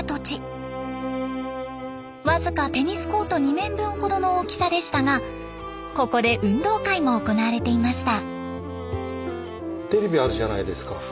僅かテニスコート２面分ほどの大きさでしたがここで運動会も行われていました。